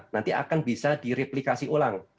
nanti akan bisa direplikasi ulang